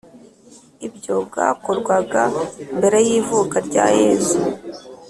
Ibyo bwakorwaga mbere y’ivuka rya Yezu